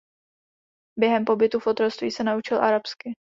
Během pobytu v otroctví se naučil arabsky.